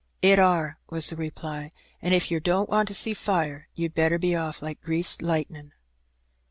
" It are," was the reply ;" an* if yer don't want to see fire, you'd better be off like greased lightnin'."